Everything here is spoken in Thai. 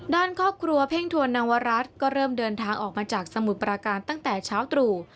ด้านครอบครัวเพ่งทวนนวรัฐก็เริ่มเดินทางออกมาจากสมุทรปราการตั้งแต่เช้าตรู่